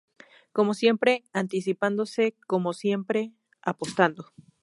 Como siempre anticipándose, como siempre apostando.